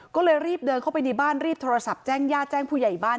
ก็เลยรีบเดินเข้าไปในบ้านรีบโทรศัพท์แจ้งญาติแจ้งผู้ใหญ่บ้าน